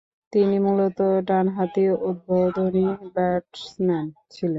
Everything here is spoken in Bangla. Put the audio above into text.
তিনি মূলতঃ ডানহাতি উদ্বোধনী ব্যাটসম্যান ছিলেন।